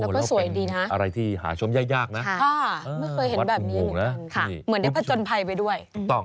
แล้วเป็นอะไรที่หาชมย่ายนะวัดธุงโหงนะค่ะเหมือนได้ผจญภัยไปด้วย